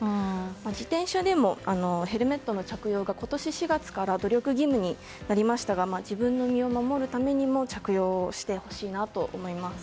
自転車でもヘルメットの着用が今年４月努力義務になりましたが自分の身を守るためにも着用してほしいなと思います。